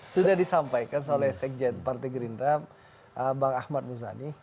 sudah disampaikan oleh sekjen partai gerindra bang ahmad muzani